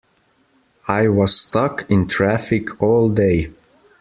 I was stuck in traffic all day!